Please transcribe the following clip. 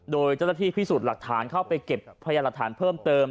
โดยเจ้าหน้าที่พิสูจน์หลักฐานเข้าไปเก็บพยานหลักฐานเพิ่มเติม